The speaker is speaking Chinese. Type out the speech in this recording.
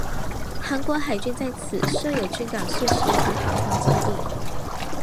韩国海军在此设有军港设施和航空基地。